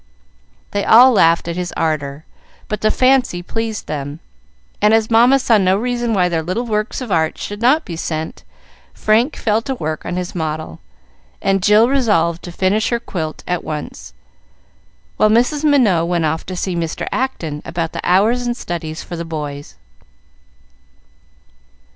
They all laughed at his ardor, but the fancy pleased them; and as Mamma saw no reason why their little works of art should not be sent, Frank fell to work on his model, and Jill resolved to finish her quilt at once, while Mrs. Minot went off to see Mr. Acton about the hours and studies for the boys.